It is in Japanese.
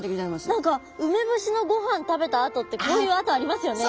何かウメボシのごはん食べたあとってこういうあとありますよね。